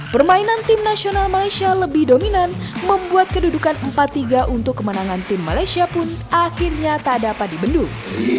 permainan tim nasional malaysia lebih dominan membuat kedudukan empat tiga untuk kemenangan tim malaysia pun akhirnya tak dapat dibendung